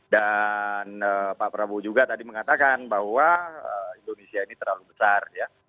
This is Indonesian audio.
dan pak prabowo juga tadi mengatakan bahwa indonesia ini terlalu besar ya